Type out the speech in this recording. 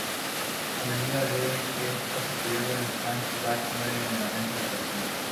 A medida que es atropellado en el flashback muere en la mesa de operaciones.